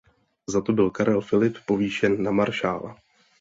Za to byl Karel Filip povýšen na maršála.